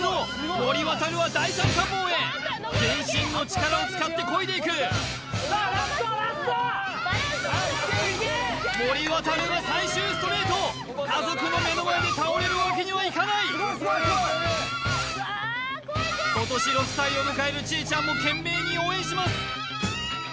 森渉は第三関門へ全身の力を使ってこいでいく森渉が最終ストレート家族の目の前で倒れるわけにはいかない今年６歳を迎える千笑ちゃんも懸命に応援します